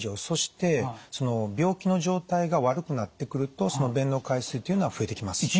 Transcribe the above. そして病気の状態が悪くなってくるとその便の回数っていうのは増えてきます。